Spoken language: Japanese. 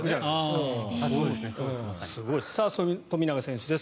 富永選手です。